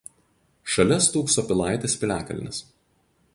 Šalia stūkso Pilaitės piliakalnis.